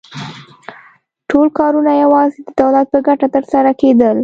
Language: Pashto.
ټول کارونه یوازې د دولت په ګټه ترسره کېدل